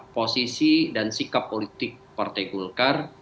posisi dan sikap politik partai golkar